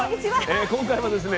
今回はですね